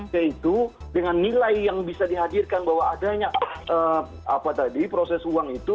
yaitu dengan nilai yang bisa dihadirkan bahwa adanya proses uang itu